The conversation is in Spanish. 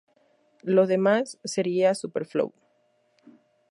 Lo demás sería superfluo.